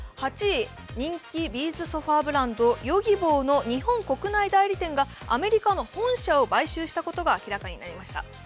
８位、人気ビーズソファーブランド、Ｙｏｇｉｂｏの国内代理店がアメリカの本社を買収したことが分かりました。